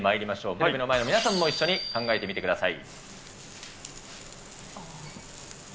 テレビの前の皆さんも一緒に考えてみてください。